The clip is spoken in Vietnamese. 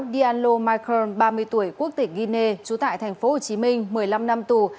dianlo michael ba mươi tuổi quốc tịch guinea trú tại tp hcm một mươi năm năm tù